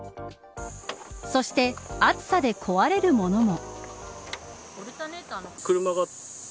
そして、暑さで壊れるものも。